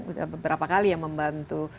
udah beberapa kali ya membantu